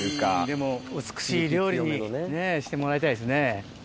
でも美しい料理にしてもらいたいですね。